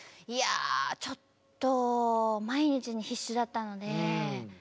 いやちょっと毎日に必死だったので。